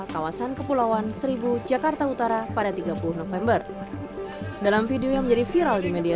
kawasan kepulauan seribu jakarta utara pada tiga puluh november dalam video yang menjadi viral di media